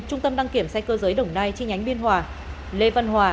trung tâm đăng kiểm xe cơ giới đồng nai chi nhánh biên hòa lê văn hòa